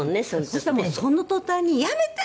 そしたらその途端に「やめて。